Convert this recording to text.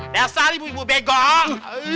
dasar ibu ibu begong